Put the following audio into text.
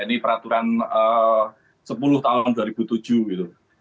ini peraturan sepuluh tahun dua ribu tujuh gitu